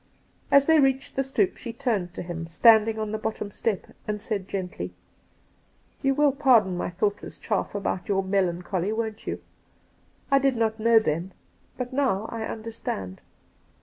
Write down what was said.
As they reached the stoep she turned to him, standing on the bottom step, and said gently :' You wiU pardon my thoughtless chaff about your melancholy, won't you? I did not know then, but now I understand.'